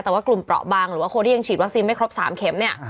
แต่ว่ากลุ่มเปราะบางหรือว่าคนที่ยังฉีดวัคซีนไม่ครบ๓เข็มเนี่ย